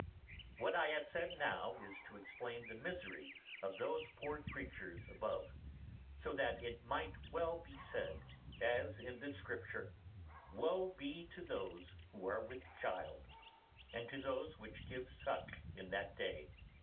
What I have said now is to explain the misery of those poor creatures above; so that it might well be said, as in the Scripture, Woe be to those who are with child, and to those which give suck in that day.